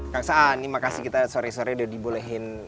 kang saan terima kasih kita sore sore udah dibolehin